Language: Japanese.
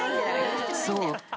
［そう。